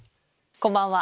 こんばんは。